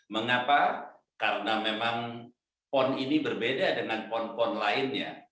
mengapa karena memang pon ini berbeda dengan pon pon lainnya